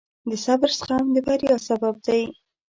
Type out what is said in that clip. د صبر زغم د بریا سبب دی.